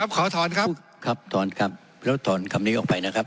ขอถอนครับครับถอนครับแล้วถอนคำนี้ออกไปนะครับ